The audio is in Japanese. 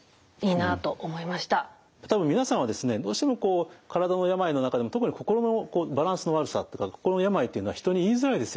多分皆さんはですねどうしても体の病の中でも特に心のバランスの悪さっていうか心の病っていうのは人に言いづらいですよね。